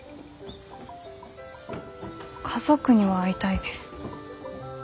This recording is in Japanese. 家族には会いたいです。